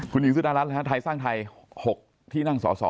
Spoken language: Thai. คุณหญิงสุดารัสนะครับไทยสร้างไทย๖ที่นั่งส่อ